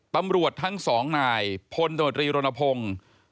ตำรวจทั้ง๒นายพลตมตรีรณพงษ์